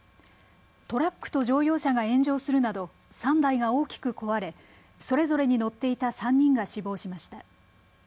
トラックと乗用車が炎上するなど３台が大きく壊れ、それぞれに乗っていた３人が死亡しました。